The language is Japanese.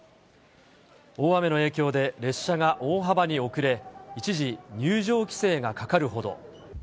大雨の影響で、列車が大幅に遅れ、一時、入場規制がかかるほど。